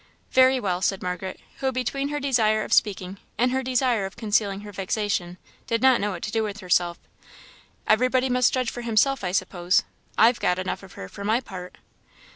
"Very well!" said Margaret, who, between her desire of speaking and her desire of concealing her vexation, did not know what to do with herself; "everybody must judge for himself, I suppose; I've got enough of her, for my part."